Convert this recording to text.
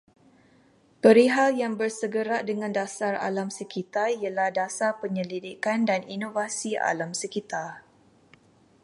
Perihal yang bersegerak dengan dasar alam sekitar ialah dasar penyelidikan dan inovasi alam sekitar